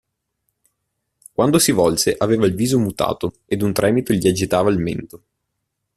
Quando si volse aveva il viso mutato, ed un tremito gli agitava il mento.